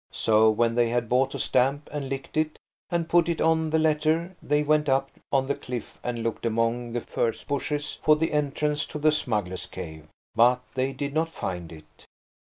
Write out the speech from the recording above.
So when they had bought a stamp and licked it and put it on the letter they went up on the cliff and looked among the furze bushes for the entrance to the smugglers' cave. But they did not find it.